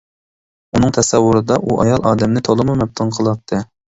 ئۇنىڭ تەسەۋۋۇرىدا ئۇ ئايال ئادەمنى تولىمۇ مەپتۇن قىلاتتى.